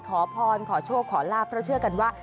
ขอพรขอโชคขอลาบเพราะเชื่อกันว่า